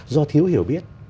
do thiếu hiểu biết